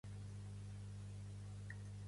Les putes receptes de la iaia.